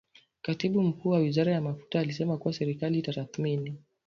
Katibu Mkuu wa Wizara ya Mafuta alisema kuwa serikali itatathmini